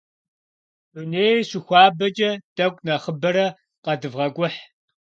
Дунейр щыхуабэкӏэ, тӏэкӏу нэхъыбэрэ къэдывгъэкӏухь.